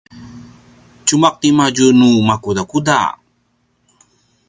tjumaq ti madju nu makudakuda?